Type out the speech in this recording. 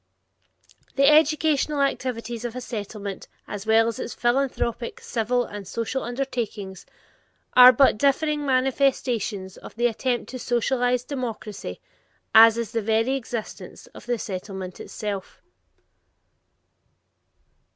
The educational activities of a Settlement, as well its philanthropic, civic, and social undertakings, are but differing manifestations of the attempt to socialize democracy, as is the very existence of the Settlement itself.